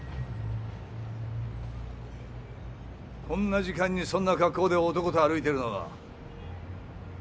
こんな時間にそんな格好で男と歩いてるのは。